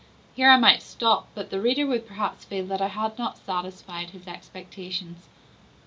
Here I might stop; but the reader would perhaps feel that I had not satisfied his expectations.